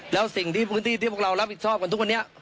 แล้วสิ่งที่พื้นที่ที่พวกเรารับผิดชอบกันทุกวันนี้